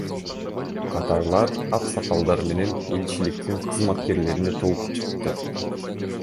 Катарлар аксакалдар менен элчиликтин кызматкерлерине толуп жатты.